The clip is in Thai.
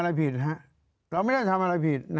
เราไม่ได้ทำอะไรผิด